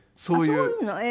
そういうの？